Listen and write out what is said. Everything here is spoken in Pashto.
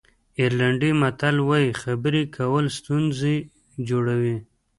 آیرلېنډي متل وایي خبرې کول ستونزې جوړوي.